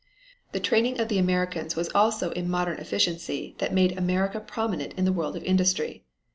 The training of the Americans was also in modern efficiency that made America prominent in the world of industry.